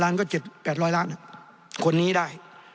ล้านก็๗๘๐๐ล้านคนนี้ได้